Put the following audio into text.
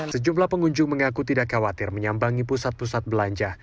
sejumlah pengunjung mengaku tidak khawatir menyambangi pusat pusat belanja